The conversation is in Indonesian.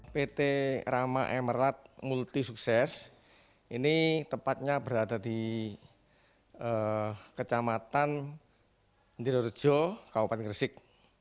pt rama emerald multi sukses ini tepatnya berada di kecamatan ndirejo kabupaten gresik